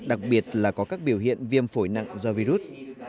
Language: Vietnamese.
đặc biệt là có các biểu hiện viêm phổi nặng do virus